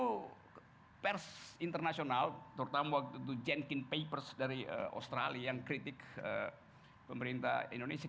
itu pers internasional terutama waktu itu jenkin papers dari australia yang kritik pemerintah indonesia